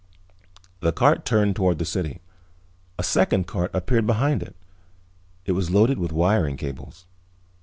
The cart turned toward the city. A second cart appeared behind it. It was loaded with wiring cables.